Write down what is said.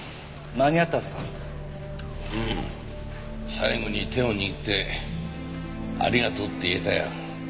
最後に手を握ってありがとうって言えたよ。